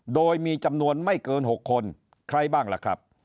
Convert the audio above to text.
โดยมีจำนวนไม่เกิน๖คนใครบ้างล่ะครับ